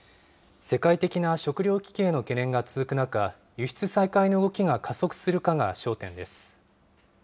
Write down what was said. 世界的な食料危機への懸念が続く中、輸出再開の動きが加速するかが焦点です。